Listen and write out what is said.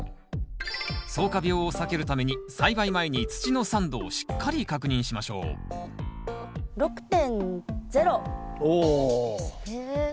ソウカ病を避けるために栽培前に土の酸度をしっかり確認しましょう６．０ですね。